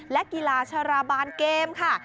และกีฬาชราบานเกมค่ะ